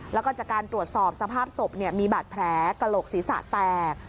แล้วก็จากการตรวจสอบสภาพศพมีบาดแผลกระโหลกศีรษะแตก